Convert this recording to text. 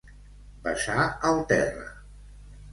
Besar el terra.